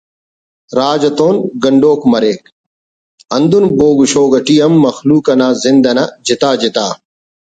راج اتون گنڈوک مریک ہندن بوگ شوگ اٹی ہم مخلوق نا زند انا جتا جتا